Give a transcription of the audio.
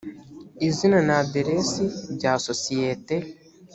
izina na aderesi bya sosiyete